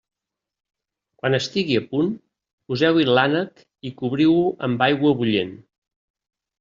Quan estigui a punt, poseu-hi l'ànec i cobriu-ho amb aigua bullent.